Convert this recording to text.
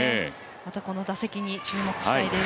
またこの打席に注目したいです。